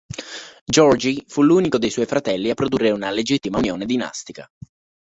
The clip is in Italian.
Georgij fu l'unico dei suoi fratelli a produrre una legittima unione dinastica.